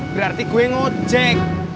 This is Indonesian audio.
berarti gue ngecek